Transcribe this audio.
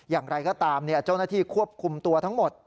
อย่างไรก็ตามเจ้าหน้าที่ควบคุมตัวทั้งหมด